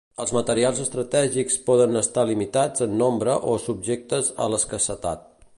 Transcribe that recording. Els materials estratègics poden estar limitats en nombre o subjectes a l'escassetat.